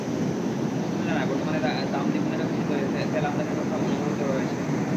সূত্র জানায়, বর্তমান দামের দ্বিগুণেরও বেশি দরে তেল আমদানির প্রস্তাব অনুমোদিত হয়েছে।